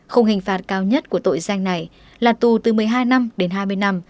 khung hình phạt cao nhất của tội danh này là tù từ một mươi hai năm đến hai mươi năm